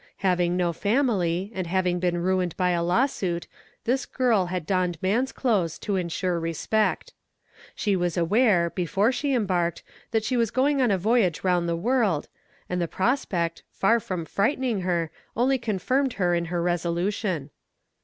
Having no family, and having been ruined by a law suit, this girl had donned man's clothes to insure respect. She was aware, before she embarked, that she was going on a voyage round the world, and the prospect, far from frightening her, only confirmed her in her resolution.